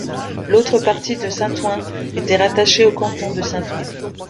L'autre partie de Saint-Ouen était rattachée au canton de Saint-Ouen.